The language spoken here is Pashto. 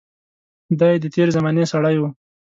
دای د تېرې زمانې سړی و.